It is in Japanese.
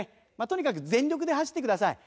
とにかく全力で走ってください。